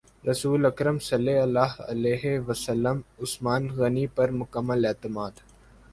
رسول اکرم صلی اللہ علیہ وسلم عثمان غنی پر مکمل اعتماد